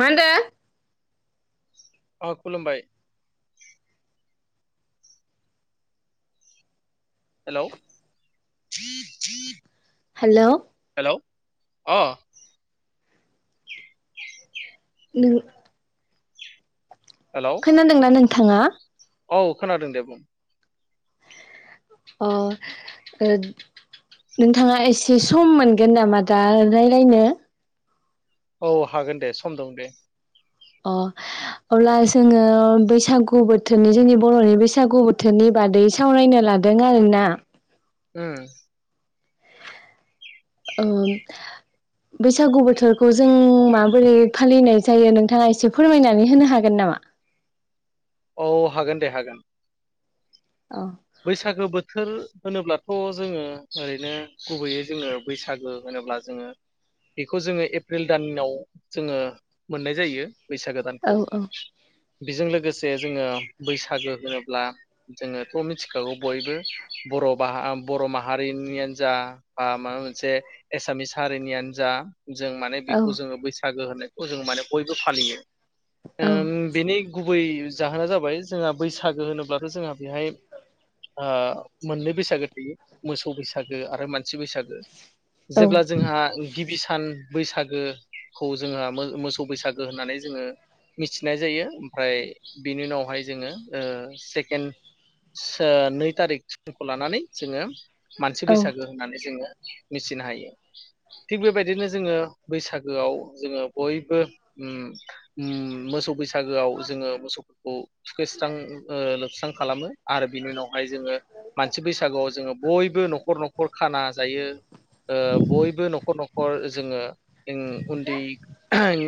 मा होनदो? अ खुलुमबाय हेल' हेल' अ नों हेलौ खोनादोंना नों थाङा? औ खोनादों दे बुं अ ओ नोंथाङा एसे सम मोनगोन नामा दा रायलायनो? औ हागोन दे सम दं दे। अ अब्ला जोङो बैसागु बोथोरनि जोंनि बर'नि बैसागु बोथोरनि बादै सावरायनो लादों आरोना उम ओ बैसागु बोथोरखौ जों माबोरै फालिनाय जायो नोंथाङा एसे फोरमायनानै होनो हागोन नामा? औ हागोन दे हागोन अ बैसागो बोथोर होनोब्लाथ' जोङो ओरैनो गुबैयै जोङो बैसागो होनोब्ला जोङो बेखौ जोङो एप्रिल दानाव जोङो मोननाय जायो बैसागो औ दानखौ औ बेजों लोगोसे जोङो बैसागो होनोब्ला जोङो मिथिखागौ बयबो बर' बा बर' माहारिनियानो जा बा माबा मोनसे एसामिस हारिनियानो जा जों माने औ बेखौ जोङो बैसागो होननायखो खौ जोङो माने बयबो फालियो औ ओ बिनि गु गुबै जाहोना जाबाय जोंहा बैसागो होनोब्लाथ' जोंहा बेहाय ओ मोननै बैसागो थायो मोसौ बैसागो आरो मानसि बैसागो जेब्ला जोंहा गिबि सान बैसागोखौ जोंहा मोसौ बैसागो होननानै जोङो मिथिनाय जायो ओमफ्राय बिनि उनावहाय जोङो ओ सेकेण्ड ओ नै थारिगखौ लानानै जोङो मानसि औ बैसागो होननानै जोङो मिथिनो हायो थिग बेबायदिनो जोङो बैसागोआव जोङो बयबो उम उम मोसौ बैसागोआव जोङो मोसौफोरखौ थुखैस्रां ओ लोबस्रां खालामो आरो बिनि उनावहाय जोङो मानसि बैसागुआव जोङो बयबो न'खर न'खर खाना जायो ओ बयबो न'खर न'खर जोङो जोङो उन्दै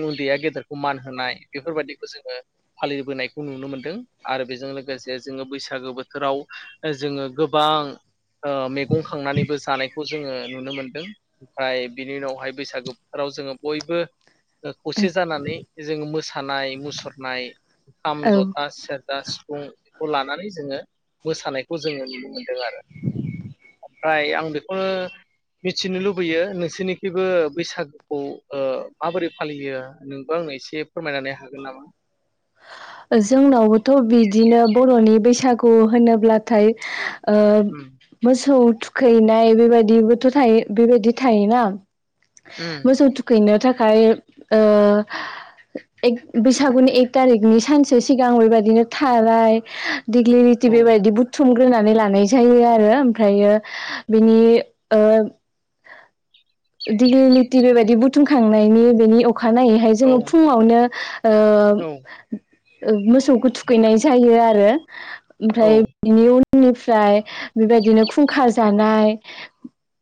उन्दैया गेदेरखौ मान होनाय बेफोरबायाददिखौ जोङो फालिबोनायखौ नुनो मोन्दों आरो बेजों लोगोसे जोङो बैसाग सागो बोथोराव जोङो गोबां ओ मैगं खांनानैबो जानायखौ जोङो नुनो मोनदों ओमफ्राय बिनि उनावहाय बैसागो बोथोराव जोङो बयबो खौसे जानानै जोङो मोसानाय मुसुरनाय खाम, औ जथा, सेरजा, सिफुं खौ लानानै जोङो मोसानायखौ जोङो नुनो मोनदों आरो ओमफ्राय आं बेखौनो मिथिनो लुबैयो नोंसोरनिखिइबो बैसागुखौ ओ माबोरै फालियो नोंबो आंनो एसे फोरमायनानै हागोन नामा? जोंनावबोथ' बिदिनो बर'नि बैसागु होनोब्लाथाय ओ उम मोसौ थुखैनाय बेबायदिबोथ' थायो बेबायदि थायोना उम मोसौ थुखैनो थाख खाय ओ एग बैसागुनि एग तारिगनि सानसे सिगां बेबायदिनो थाराय देग्लि लिथि औ बेबायदि बुथु थुमग्रोनानै लानाय जायो आरो ओमफ्रायो बिनि ओ दिग्लिलिटि बेबायदि बुथुमखांनायनि बेनि अ खानायैहाय औ जोङो फुङावनो ओ औ ओं मोसौखौ थुखैनाय जायो आरो। औ ओमफ्राय बिनि उन फुंनिफ्राय बेबायदिनो खुंखा जानाय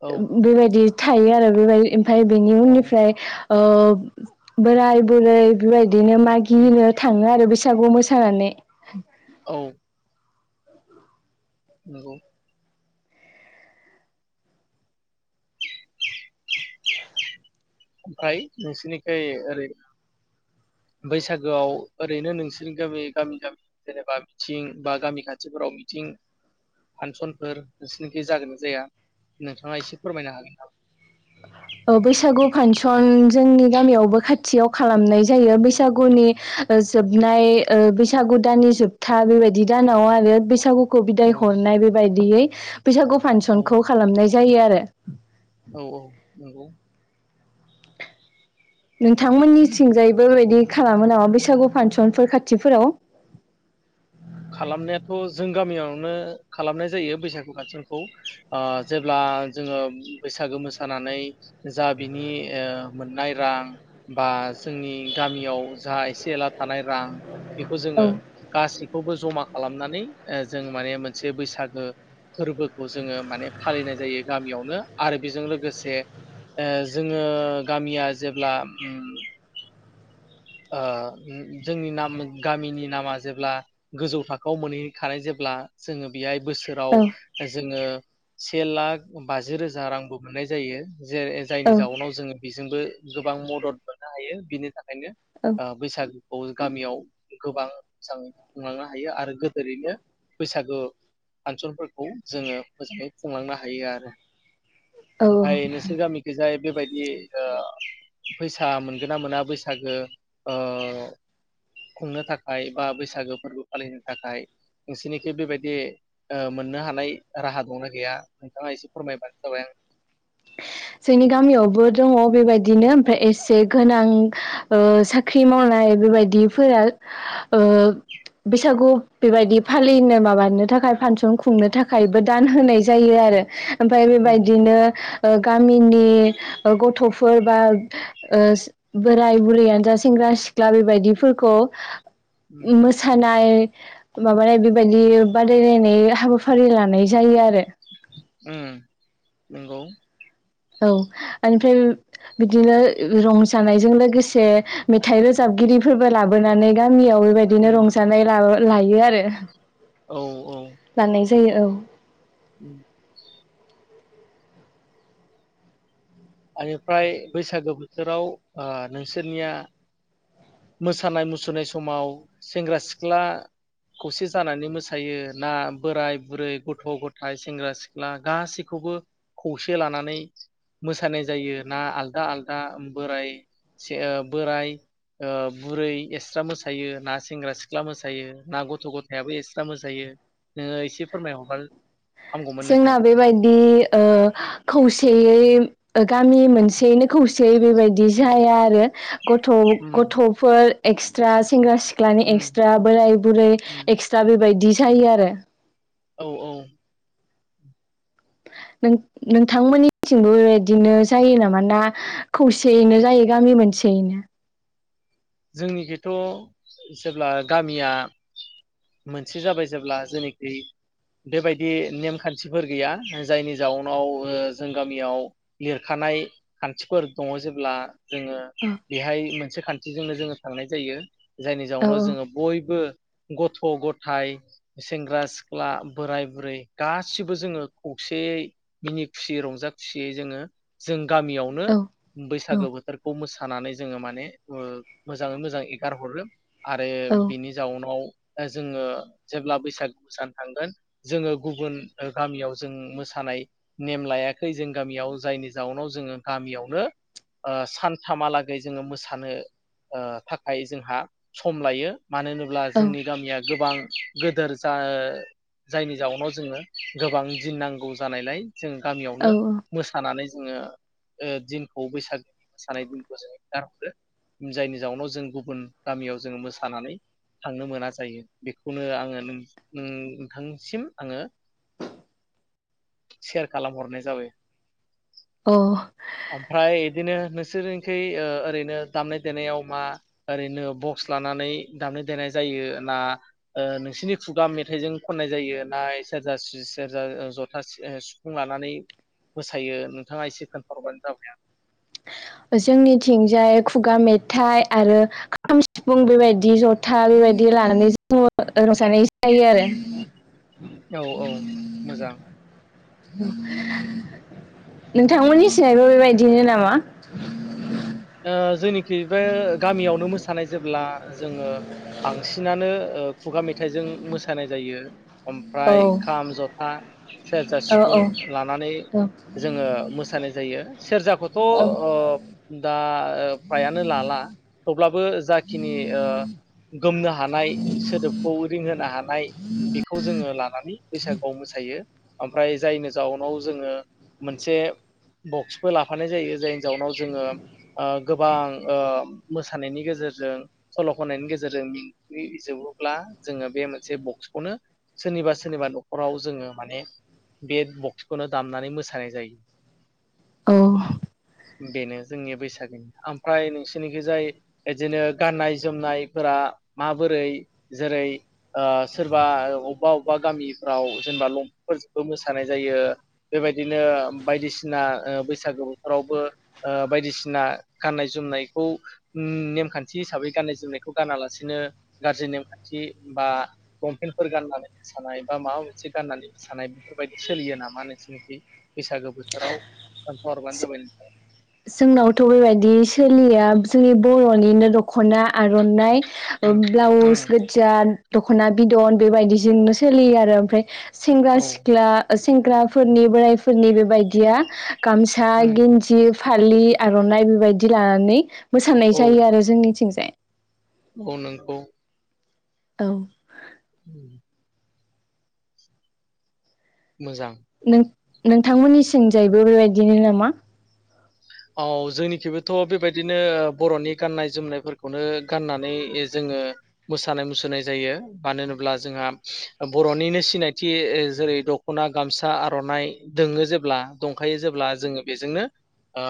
औ बेबायदि थायो आरो बेबाय ओमफाय बेनि औ उननिफ्राय ओ बोराय बुरै बेबाय बिदिनो उम मागिनो थाङो आरो बै सागु मोसानानै। औ नोंगौ ओमफ्राय नोंसिरनिखोय ओरै बैसागोआव ओरैनो नोंसोरनि गामि गामि गामि जेनेबा मिथिं बा गामि खाथिफोराव मिथिं फांसनफोर नोंसोरनिख जागोन ना जाया नोंथाङा एसे फोरमायनो हागोन नामा? औ बैसागु फांसन जोंनि गामियावबो खाथियाव खालामनाय जायो बैसागुनि जोबनाय बैसागु दाननि जोबथा बेबायदि दानाव आरो बैसागु खौ बिदाय औ हरनाय बेबायदियै बैसागु औ फांसनखौ खालामनाय जायो आरो औ औ नंगौ नोंथांमोननि थिंजायैबोबायदि खालामो नामा बैसागु फांसनफोर खाथिफोराव खालामनायाथ' जों गामियावनो खालामनाय जायो बैसागु फांसनखौ जेब्ला जोङो बैसागो मोसानानै जा बिनि मोननाय रां बा जोंनि गामियाव जा एसे एला थानाय रां बेखौ औ जोङो गासि- खौ जमा खालामनानै जों माने मोनसे बैसागो फोरबोखौ जोङो माने फालिनाय जायो गामियावनो आरो बेजों लोगोसे ओ जोङो गामिया जेब्ला उम ओ जोंनि नाम गामिनि नामा जेब्ला गोजौ थाखोआव मोनहैखानाय जेब्ला जोङो बेहाय बोसोराव औ जोङो से लाख बाजि रोजा रांबो मोननाय जायो जे जायनि औ जाउनाव जोङो बेजोंबो गोबां मदद मोननो हायो बिनि थाखायनो औ अ बैसागो खौ गामियाव गोबां मोजां खुंलांनो हायो आरो गोदोरैनो बैसागु फांसनफोरखौ जोङो मोजाङै खुंलांनो हायो आरो औ ओमफ्राय नोंसोर गामिखै जाय बेबायदि फैसा मोनगोन ना मोना बैसागो ओ खुंनो थाखाय बा बैसागो फोरबो फालिनो थाखाय नोंसोरनिखि बेबायदि मोननो हानाय राहा दंना गैया नोंथाङा एसे फोरमायबानो जाबाय आं जोंनि गामियावबो दङ बेबायदिनो ओमफ्राय एसे गोनां ओ साख्रि मावनाय बेबायदिफोरा ओ बैसागु बेबायदि फालिनो माबानो थाखाय फानसन खुंनो थाखायबो दान होनाय जायो आरो ओमफ्राय उम बेबायदिनो ओ गामिनि गथ'फोर बा ओ बोराय बुरैयानो जा सेंग्रा-सिख्ला बेबायदिफोरखौ उम मोसानाय माबानाय बेबायदि बादायलायनाय हाबाफारि लानाय जायो आरो उम नंगौ औ ओमफ्राय बिदिनो रंजानायजों लोगोसे मेथाइ रोजाबगिरिफोरबो लाबोनानै गान गामियाव बेबायदिनो उम रंजानाय ला लायो आरो औ औ लानाय जायो औ उम बेनिफ्राय बैसागो बोथोराव नोंसोरनिया मोसानाय मुसुरनाय समाव सेंग्रा सिख्ला खौसे जानानै मोसायो ना बोराय-बुरै गथ'-गथाय सेंग्रा-सिख्ला गासैखौबो खौसे लानानै मोसानाय जायो ना आलादा आलादा बोराय बोराइ बुरै एक्स्रा मोसायो ना सेंग्रा सिख्ला मोसायो ना गथ' गथायाबो एक्सट्रा मोसायो नोङो एसे फोरमायहरबा- हामगौमोन जोंना नोंथां बेबायदि ओ खौसेयै गामि मोनसेैयैनो खौसेयै बेबायदि जाया आरो गथ' उम गथ'फोर एक्सट्रा सेंग्रा सिख सिख्लानि उम एक्सट्रा बोराय बुरै उम एक्स्रा बेबायदि जायो आरो औ औ नों नोंथांमोननिथिंबो बिदिनो जायो नामा ना खौसेयैनो जायो गामि मोनसेयैनो जोंनिखिथ' जेब्ला गामिया मोनसे जाबाय जेब्ला जेनिखि बेबायदि नेमखान्थिफोर गैया जायनि जाउनाव जों गामियाव लिरखानाय खान्थिफोर दङ जेब्ला जोङो औ बेहाय मोनसे खान्थि जिजोंनो जोङो थांनाय जायो जायनि औ जाउनाव औ जोङो बयबो गथ' गथाय सेंग्रा सिख्ला बोराय बुरै गासिबो जोङो खौसेयै मिनि खुसियै रंजा खुसियै जोङो जों गामियावनो औ बैसागो औ बोथोरखौ मोसा खानानै जोङो माने मोजाङै मोजां एगार हरो आरो औ बिनि जाउनाव जोङो जेब्ला बैसागु मोसानो थांगोन जोङो गुबुन गामियाव जों मोसानाय नेम लायाखै जों गामियाव जायनि जाउनाव जोङो गामियावनो सानथामहालागै थानो ओ थाखाय जोंहा सम लायो मानो होनोब्ला औ जोंनि गामिया गोबां गोदोर जा जायनि जाउनाव जोङो गोबां दिन नांगौ जानायलाय जों गामियावनो औ मोसानानै जोङो दिनखौ बैसागोनि मोसानाय दिनखौ जोङो गारहरो जायनि जाउनाव जों गुबुन गामियाव जों मोसानानै थांनो मोना जायो बेखौनो आङो नोंथांसिम आङो सेयार खालामहरनाय जाबाय औ ओमफ्राय इदिनो बिसोरजोंसै ओरैनो दामनाय देनायाव मा ओरैनो बक्स लानानै दामनाय देनाय जायो ना नोंसोरनि खुगा मेथाइजों खननाय जायो ना सेरजा सेरजा जथा सिुफुं लानानै मोसायो नोंथाङा एसे खोन्थाहरबानो जाबाय जोंनिथिंजाय खुगा मेथाइ आरो खाम सिफुं बेबायदि जथा बेबायदि लानानै जोङो रंजानाय जायो आरो औ औ मोजां नोंथांमोननि सिनायबो बेबायदिनो नामा ओ जोंनिखि बे गामियावनो मोसानाय जेब्ला जोङो बांसिनानो खुगा मेथाइजों मोसानाय जायो औ ओमफ्राय खाम जथा सेरजा औ सिफुं लानानै जोङो मोसानो जायो सेरजाखौथ' औ अ दा फ्रायानो लाला थेवब्लाबो जाखिनि गोमनो हानाय सोदोबखौ रिंहोनो हानाय बेखौ जोङो लानानै बैसागुआव मोसायो ओमफ्राय जायनि जाउनाव जोङो मोनसे बक्सबो लाफानाय जायो जायनि जाउनाव जोङो गोबां मोसानायनि गेजेरजों सल' खननायनि गेजेरजों मिथिजोबोब्ला जोङो बे मोनसे बक्सखौनो सोरनिबा सोरनिबा न'खराव जोङो माने बे बक्सखौनो दामनानै मोसानाय जायो औ बेनो जोंनि बैसागोनि ओमफ्राय नोंसोरनिखौ जाय बिदिनो गाननाय जोमनायफोरा माबोरै जेरै ओ सोरबा अबेबा अबेबा गामिफ्राव जेनेबा लंफोरजोंबो मोसानाय जायो बेबायदिनो बायदिसिना ओ बैसागो बोथोरावबो बायदिसिना गाननाय जोमनायखौ नेमखान्थि हिसाबै गाननाय जोमनायखौ गानालासिनो गाज्रि नेमखान्थि बा लंपेन्फोर गाननानै मोसानाय बा माबा मोनसे गाननानै मोसानाय बेफोरबायदि सोलियो नामा नोंसोरनिखि बैसागो बोथोराव खोन्था हरबानो जाबाय नोंथाङा जोंनावथ' बेबायदि सोलिया जोंनि बर'निनो दख'ना आर'नाइ उम ब्लाउस उम गोजा दखना बिदन बेबायदिजोंनो सोलियो आरो ओमफ्राय सेंग्रा औ सिख्ला सेंग्राफोरनि बोरायफोरनि बेबायदिया गामसा उम गेनजि फालि आर'नाइ बेबायदि लानानै मोसानाय औ जायो आरो जोंनिथिंजाय। औ नोंखौ औ [inaudible] मोजां नोंथांमोननि थिंजायबो बेबायदिनो नामा? औ जोंनिखैबोथ' बेबायदिनो बर'नि गाननाय जोमनायफोरखौनो गाननानै जोङो मोसानाय मुसुरनाय जायो मानो होनोब्ला जोंहा बर'निनो सिनायथि जेरै दख'ना गामसा आर'नाइ दङो जेब्ला दंखायो जेब्ला जोङो बेजोंनो ओ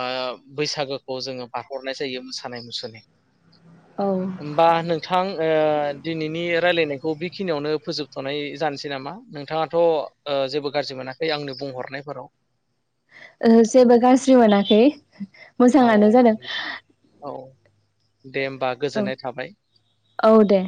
बैसागोखौ जोङो बारहो हरनाय जायो मोसानाय मुसुरनाय। औ होमबा नोंथां ओ दिनैनि रायलायनायखौ बेखिनियावनो फोजोबथ'नाय जानोसै नामा नोंथाङाथ' जेबो गाज्रि मोनाखै आंनो बुंहरनायफोराव? ओहो जेबो गाज्रि मोनाखै। औ मोजाङानो जादों [inaudible] औ दे होमबा औ गोजोननाय थाबाय। [inaudible] औ दे